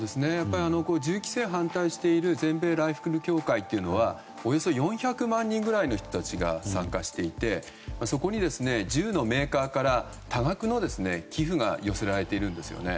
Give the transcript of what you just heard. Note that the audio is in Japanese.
銃規制を反対している全米ライフル協会にはおよそ４００万人くらいの人たちが参加していてそこに銃のメーカーから多額の寄付が寄せられているんですよね。